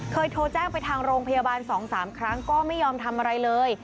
โทรแจ้งไปทางโรงพยาบาล๒๓ครั้งก็ไม่ยอมทำอะไรเลย